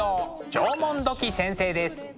縄文土器先生です。